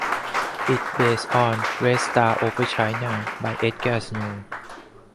It is base on "Red Star Over China" by Edgar Snow.